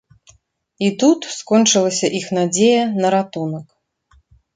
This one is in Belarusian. І тут скончылася іх надзея на ратунак.